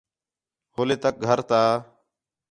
ہولے تک گھر تا